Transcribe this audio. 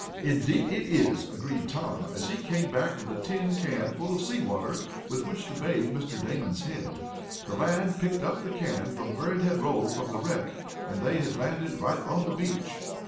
"Indeed it is," agreed Tom, as he came back with a tin can full of sea water, with which to bathe Mr. Damon's head. The lad had picked up the can from where it had rolled from the wreck, and they had landed right on the beach.